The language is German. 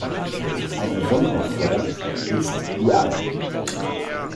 Eine Sonderform ist die Alm.